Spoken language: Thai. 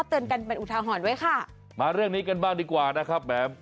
เตือนกันเป็นอุทาหรณ์ไว้ค่ะมาเรื่องนี้กันบ้างดีกว่านะครับแหม